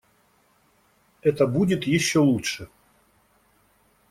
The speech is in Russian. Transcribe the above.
Это будет еще лучше.